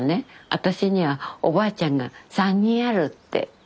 「私にはおばあちゃんが３人ある」って。